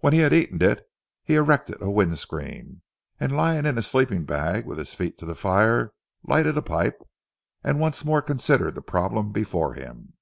When he had eaten it, he erected a wind screen, and lying in his sleeping bag, with his feet to the fire, lighted a pipe, and once more considered the problem before him.